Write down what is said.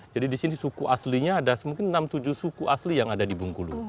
jadi disini suku aslinya ada mungkin enam tujuh suku asli yang ada di bungkulu